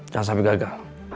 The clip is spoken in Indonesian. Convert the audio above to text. jangan sampai gagal